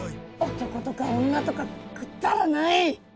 男とか女とかくだらない！